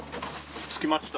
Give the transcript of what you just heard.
着きました。